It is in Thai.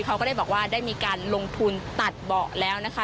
เขาก็ได้บอกว่าได้มีการลงทุนตัดเบาะแล้วนะคะ